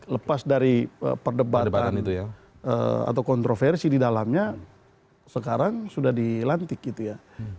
lepas dari perdebatan atau kontroversi di dalamnya sekarang sudah dilantik gitu ya